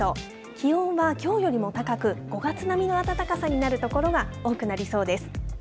気温はきょうよりも高く、５月並みの暖かさになる所が多くなりそうです。